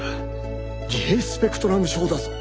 自閉スペクトラム症だぞ。